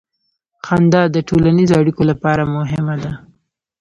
• خندا د ټولنیزو اړیکو لپاره مهمه ده.